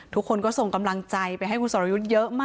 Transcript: ทุกคนก็ส่งกำลังใจไปให้คุณสรยุทธ์เยอะมาก